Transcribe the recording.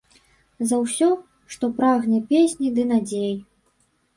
За ўсё, што прагне песні ды надзей.